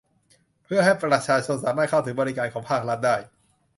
เพื่อให้ประชาชนสามารถเข้าถึงบริการของภาครัฐได้